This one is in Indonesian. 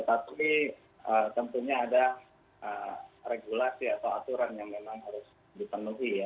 tapi tentunya ada regulasi atau aturan yang memang harus dipenuhi ya